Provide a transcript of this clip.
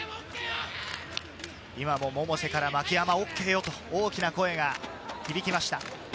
今も百瀬から「牧山ＯＫよ！」と大きな声が響きました。